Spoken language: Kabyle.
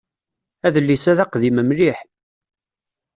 Adlis-a d aqdim mliḥ.